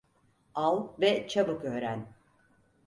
Al, ve çabuk öğren."